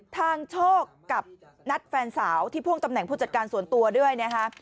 ทางโชคกับนัดแฟนสาวที่พ่วงตำแหน่งผู้จัดการส่วนตัวด้วยนะคะ